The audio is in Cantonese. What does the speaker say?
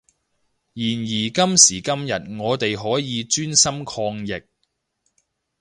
然而今時今日我哋可以專心抗疫